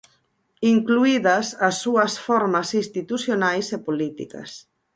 Incluídas as súas formas institucionais e políticas.